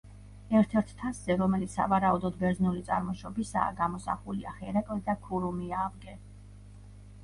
ერთ-ერთ თასზე, რომელიც სავარაუდოდ ბერძნული წარმოშობისაა, გამოსახულია ჰერაკლე და ქურუმი ავგე.